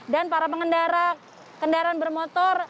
dan para pengendara kendaraan bermotor